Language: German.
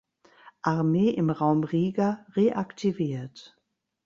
Armee im Raum Riga reaktiviert.